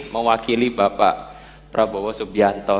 mewakili bapak prabowo subianto